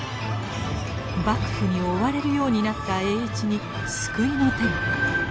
幕府に追われるようになった栄一に救いの手が。